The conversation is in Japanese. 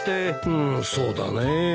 うんそうだねぇ。